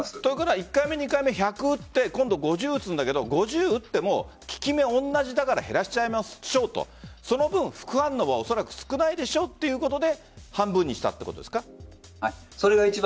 １回目、２回目１００打って今度、５０打つけど５０打っても効き目同じだから減らしましょうとその分副反応はおそらく少ないでしょうということで半分にしたということですか？